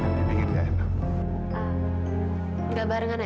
ini bikin dia enak